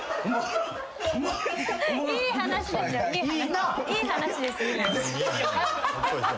いい話ですよ。